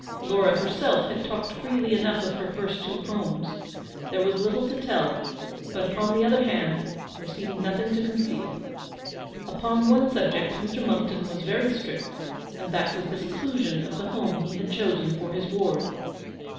Laura herself had talked freely enough of her first two homes. There was little to tell, but, upon the other hand, there seemed nothing to conceal. Upon one subject Mr. Monckton was very strict, and that was the seclusion of the home he had chosen for his ward.